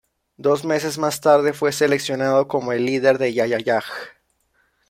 Dos meses más tarde, fue seleccionado como el líder de Ya-Ya-yah.